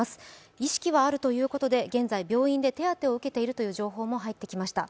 意識はあるということで、現在病院で手当てを受けているという情報も入ってきました。